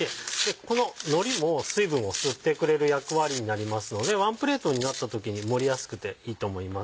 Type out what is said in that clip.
こののりも水分を吸ってくれる役割になりますのでワンプレートになった時に盛りやすくていいと思います。